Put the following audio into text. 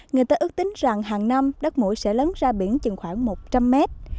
người ta ước tính rằng hàng năm đất mũi sẽ lớn ra biển chừng khoảng một trăm linh mét